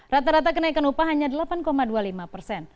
rata rata kenaikan upah hanya delapan dua puluh lima persen